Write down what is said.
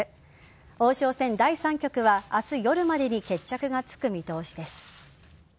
王将戦第３局は、明日夜までに決着がつく見通しです。